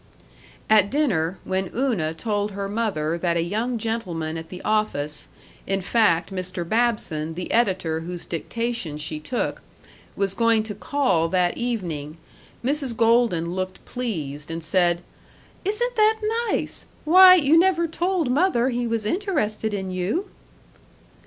§ 4 At dinner, when Una told her mother that a young gentleman at the office in fact, Mr. Babson, the editor whose dictation she took was going to call that evening, Mrs. Golden looked pleased, and said: "Isn't that nice! Why, you never told mother he was interested in you!"